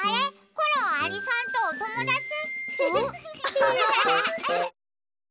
コロンアリさんとおともだち？